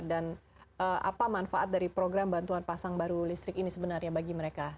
dan apa manfaat dari program bantuan pasang baru listrik ini sebenarnya bagi mereka